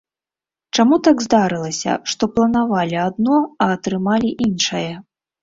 Чаму так здарылася, што планавалі адно, а атрымалі іншае?